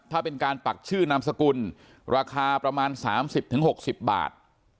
ถ้าเป็นการปักชื่อนามสกุลราคาประมาณ๓๐๖๐บาท